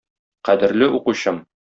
Кадерле укучым!